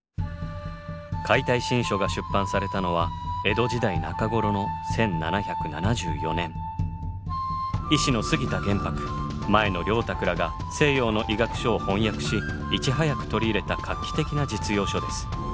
「解体新書」が出版されたのは医師の杉田玄白前野良沢らが西洋の医学書を翻訳しいち早く取り入れた画期的な実用書です。